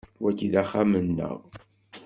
Wagi d axxam-nneɣ.